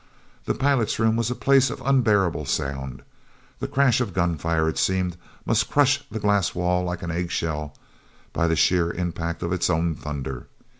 The pilot's room was a place of unbearable sound. The crash of gunfire, it seemed, must crush the glass wall like an eggshell by the sheer impact of its own thunder.